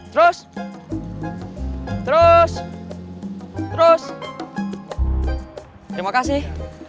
terus terus terima kasih